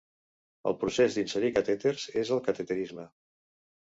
El procés d'inserir catèters és el cateterisme.